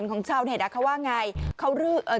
นี่นี่นี่นี่นี่นี่นี่